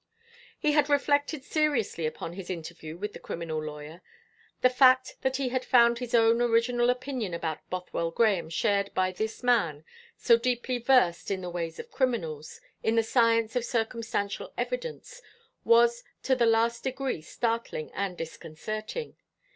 He had reflected seriously upon his interview with the criminal lawyer. The fact that he had found his own original opinion about Bothwell Grahame shared by this man, so deeply versed in the ways of criminals, in the science of circumstantial evidence, was to the last degree startling and disconcerting.